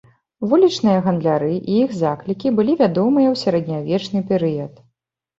Вулічныя гандляры і іх заклікі былі вядомыя ў сярэднявечны перыяд.